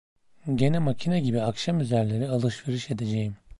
Gene makine gibi akşamüzerleri alışveriş edeceğim.